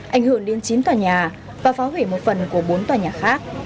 ảnh hưởng đến chín tòa nhà và phá hủy một phần của bốn tòa nhà khác